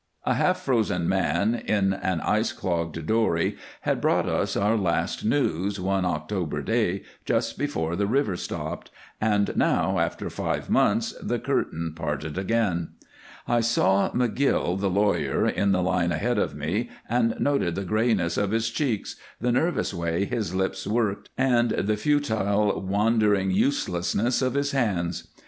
A half frozen man in an ice clogged dory had brought us our last news, one October day, just before the river stopped, and now, after five months, the curtain parted again. I saw McGill, the lawyer, in the line ahead of me and noted the grayness of his cheeks, the nervous way his lips worked, and the futile, wandering, uselessness of his hands.